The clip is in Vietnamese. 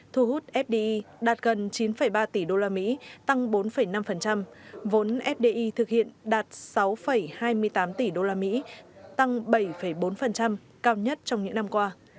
thu hút fdi đạt gần chín ba tỷ usd tăng bốn năm vốn fdi thực hiện đạt sáu hai mươi tám tỷ usd tăng bảy bốn cao nhất trong những năm qua